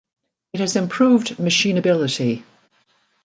It has improved machinability.